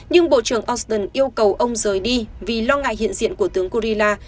nhưng bộ trưởng austin yêu cầu ông rời đi vì lo ngại hiện diện của tướng gurila